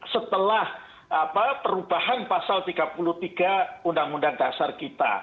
setelah perubahan pasal tiga puluh tiga undang undang dasar kita